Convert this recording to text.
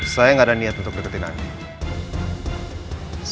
saya gak ada niat untuk dekatin anda